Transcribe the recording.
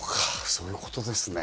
そういうことですね。